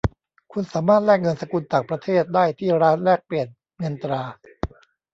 คุณสามารถแลกเงินสกุลต่างประเทศได้ที่ร้านแลกเปลี่ยนเงินตรา